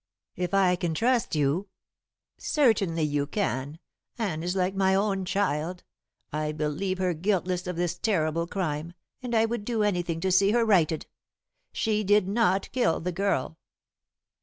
"If I can trust you " "Certainly you can. Anne is like my own child. I believe her guiltless of this terrible crime, and I would do anything to see her righted. She did not kill the girl."